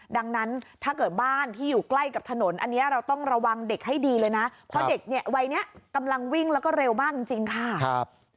ดังนั้นถ้าเกิดบ้านที่อยู่ใกล้กับถนนอันนี้เราต้องระวังเด็กให้ดีเลยนะเพราะเด็กเนี่ยวัยนี้กำลังวิ่งแล้วก็เร็วมากจริงค่ะ